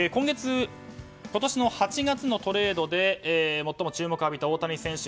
今年８月のトレードで最も注目を浴びた大谷選手。